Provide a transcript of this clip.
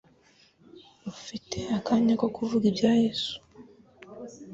Ufite akanya ko kuvuga ibya Yesu?